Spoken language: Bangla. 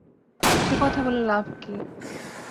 সে কথা বলে লাভ কী।